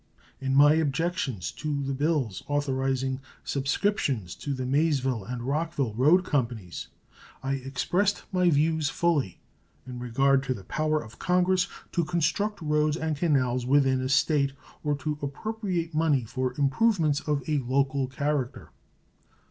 In my objections to the bills authorizing subscriptions to the Maysville and Rockville road companies I expressed my views fully in regard to the power of Congress to construct roads and canals within a State of to appropriate money for improvements of a local character.